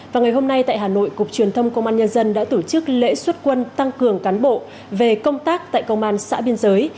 và ngày hôm nay tại hà nội cục truyền thông công an nhân dân đã tổ chức lễ xuất quân tăng cường cán bộ về công tác tại công an xã biên giới